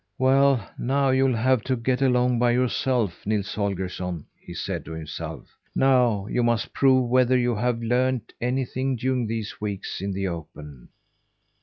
"Well, now you'll have to get along by yourself, Nils Holgersson," he said to himself. "Now you must prove whether you have learned anything during these weeks in the open."